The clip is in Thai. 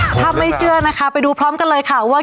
ถ้าไม่เชื่อนะคะไปดูพร้อมกันเลยค่ะว่า